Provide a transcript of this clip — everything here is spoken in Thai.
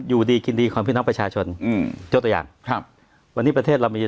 อยู่ดีกินดีของพี่น้องประชาชนอืมยกตัวอย่างครับวันนี้ประเทศเรามี